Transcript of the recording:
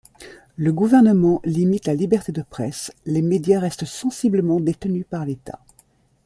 Le gouvernement limite la liberté de presse, les médias restent sensiblement détenus par l'État.